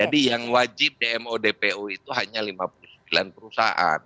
jadi yang wajib dmo dpo itu hanya lima puluh sembilan perusahaan